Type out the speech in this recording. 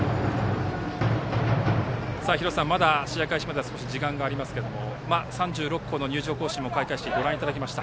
廣瀬さん、まだ試合開始まで少し時間がありますけれども３６校の入場行進も開会式、ご覧いただきました。